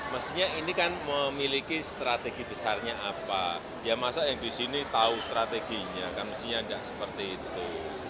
mestinya ini kan memiliki strategi besarnya apa ya masa yang di sini tahu strateginya kan mestinya tidak seperti itu